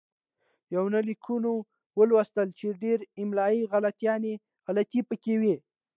يونليکونه ولوستل چې ډېره املايي غلطي پکې وې